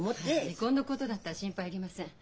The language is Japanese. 離婚のことだったら心配いりません。